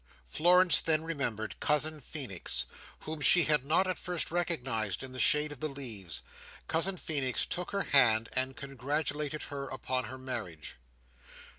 Florence then remembered Cousin Feenix, whom she had not at first recognised in the shade of the leaves. Cousin Feenix took her hand, and congratulated her upon her marriage.